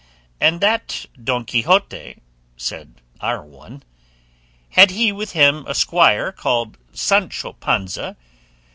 "And that Don Quixote—" said our one, "had he with him a squire called Sancho Panza?"